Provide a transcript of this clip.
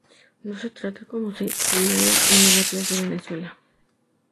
No se trata, como se señala en el "Atlas de Venezuela.